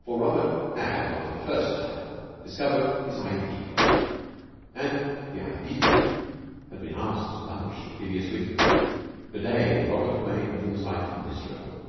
For Robert had (not for the first time) discovered his Ideal, and the Ideal had been asked to lunch the previous week. For days before Robert had made William's life miserable.